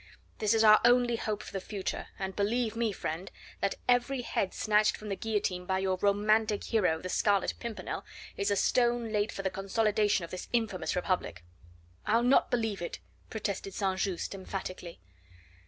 This is our only hope for the future, and, believe me, friend, that every head snatched from the guillotine by your romantic hero, the Scarlet Pimpernel, is a stone laid for the consolidation of this infamous Republic." "I'll not believe it," protested St. Just emphatically.